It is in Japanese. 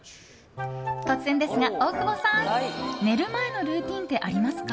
突然ですが、大久保さん寝る前のルーティンってありますか？